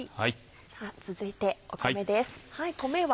続いて米です。